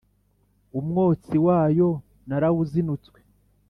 umwotsi wayo narawuzinutswe.